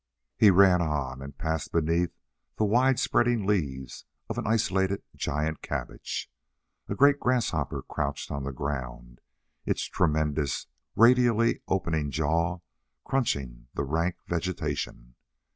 He ran on and passed beneath the wide spreading leaves of an isolated giant cabbage. A great grasshopper crouched on the ground, its tremendous radially opening jaws crunching the rank vegetation.